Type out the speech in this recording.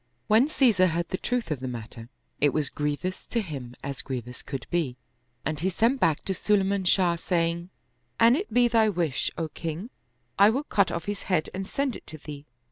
When Caesar heard the truth of the matter, it was grievous to him as grievous could be, and he sent back to Sulayman Shah, saying, " An it be thy wish, O king, I will cut off his head and send it to thee."